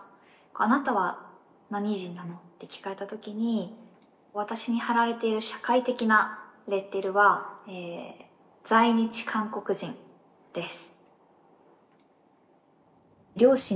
「あなたは何人なの？」って聞かれたときに私に貼られている社会的なレッテルは「在日韓国人」です。